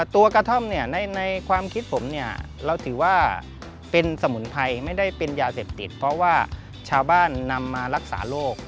กระท่อมเนี่ยในความคิดผมเนี่ยเราถือว่าเป็นสมุนไพรไม่ได้เป็นยาเสพติดเพราะว่าชาวบ้านนำมารักษาโรค